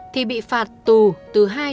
thì bị phạt tùy pháp